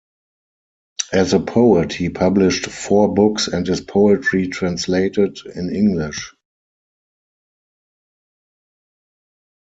As a poet he published four books and his poetry translated in English.